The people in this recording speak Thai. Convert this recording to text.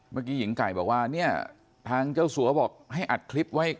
เมื่อกี้หญิงไก่บอกว่าเนี่ยทางเจ้าสัวบอกให้อัดคลิปไว้